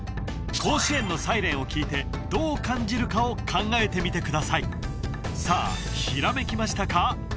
甲子園のサイレンを聞いてどう感じるかを考えてみてくださいさあ閃きましたか？